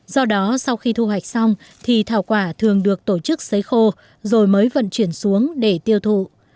do đó sau khi thu hoạch xong thì thảo quả thường được tổ chức xấy khô rồi mới vận chuyển xuống để tiêu thụ